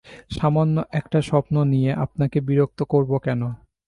সামান্য একটা স্বপ্ন নিয়ে আপনাকে বিরক্ত করব কেন?